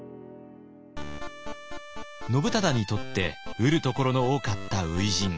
信忠にとって得るところの多かった初陣。